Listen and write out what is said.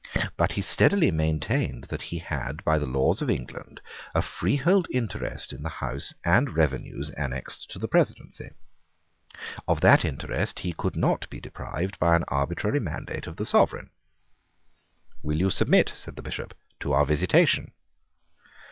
But he steadily maintained that he had by the laws of England a freehold interest in the house and revenues annexed to the presidency. Of that interest he could not be deprived by an arbitrary mandate of the Sovereign. "Will you submit", said the Bishop, "to our visitation?"